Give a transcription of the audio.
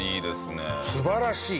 素晴らしい。